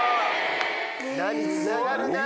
何つながるな。